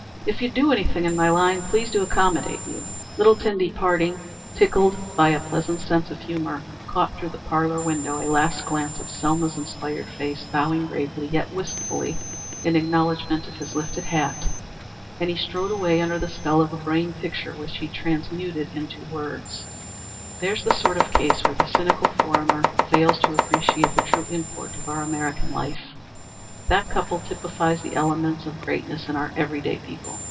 "If you do anything in my line, pleased to accommodate you." Littleton departing, tickled by a pleasant sense of humor, caught through the parlor window a last glimpse of Selma's inspired face bowing gravely, yet wistfully, in acknowledgment of his lifted hat, and he strode away under the spell of a brain picture which he transmuted into words: "There's the sort of case where the cynical foreigner fails to appreciate the true import of our American life. That couple typifies the elements of greatness in our every day people.